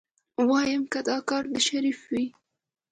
ويم که دا کار د شريف وي.